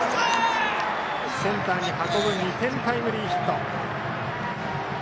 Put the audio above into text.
センターに運ぶ２点タイムリーヒット。